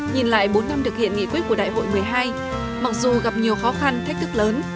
nhìn lại bốn năm thực hiện nghị quyết của đại hội một mươi hai mặc dù gặp nhiều khó khăn thách thức lớn